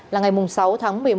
là ngày sáu tháng một mươi hai